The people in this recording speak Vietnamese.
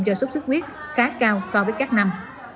do sốt sốt khuyết khá cao so với các năm